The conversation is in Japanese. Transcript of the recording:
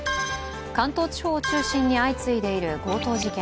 関東地方を中心に相次いでいる強盗事件。